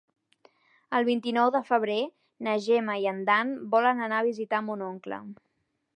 El vint-i-nou de febrer na Gemma i en Dan volen anar a visitar mon oncle.